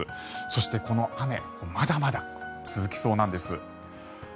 そしてこの雨まだまだ続きそうなんです。